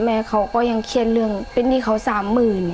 แม่เขาก็ยังเครียดเรื่องเป็นหนี้เขาสามหมื่น